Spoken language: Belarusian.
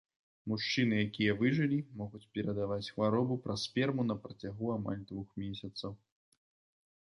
Мужчыны, якія выжылі, могуць перадаваць хваробу праз сперму на працягу амаль двух месяцаў.